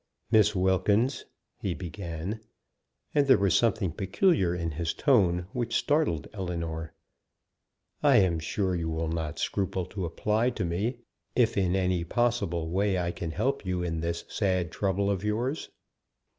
"Miss Wilkins," he began and there was something peculiar in his tone which startled Ellinor "I am sure you will not scruple to apply to me if in any possible way I can help you in this sad trouble of yours?"